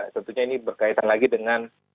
tentunya ini berkaitan lagi dengan